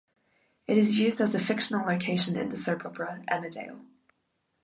It is used as a fictional location in the soap opera "Emmerdale".